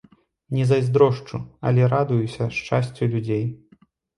Не зайздрошчу, але радуюся шчасцю людзей.